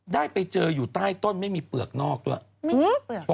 ได้ไปเจออยู่ใต้ต้นไม่มีเปลือกนอกด้วย